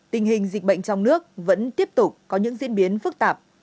tình hình dịch bệnh trong nước vẫn tiếp tục có những diễn biến phức tạp